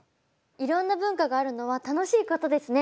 いろんな文化があるのは楽しいことですね。